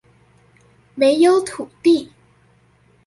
沒有土地！